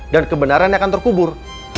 dan kebenarannya akan terkubur